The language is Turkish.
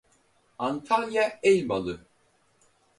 Antalya Elmalı